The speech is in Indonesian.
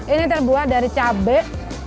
ini terbuat dari cabai